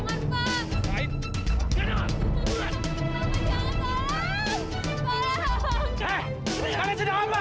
kamu jangan pernah ngaku ngaku dia sebagai istri kamu